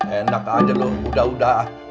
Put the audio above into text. enak aja dong udah udah